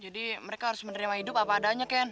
jadi mereka harus menerima hidup apa adanya ken